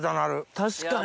確かに！